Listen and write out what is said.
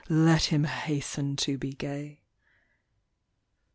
Let him hasten to be gay.